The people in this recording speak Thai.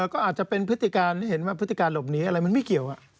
ก็อาจจะเป็นพฤติการให้เห็นว่าพฤติการหลบหนีอะไรมันไม่เกี่ยว